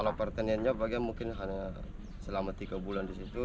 kalau pertaniannya bagian mungkin hanya selama tiga bulan di situ